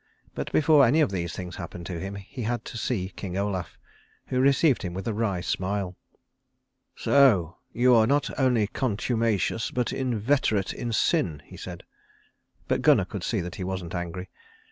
But before any of these things happened to him he had to see King Olaf, who received him with a wry smile. "So you are not only contumacious, but inveterate in sin," he said; but Gunnar could see that he wasn't angry.